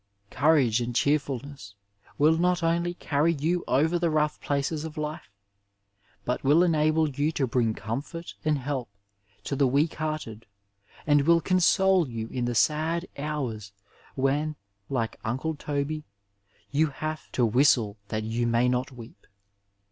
Courage and cheerfulness will not only carry you over the rough places of life, but will enable you to bring comfort and help to the weak hearted and will console you in the sad hours when, like Unde Toby, you have " to whistle that you may not weep."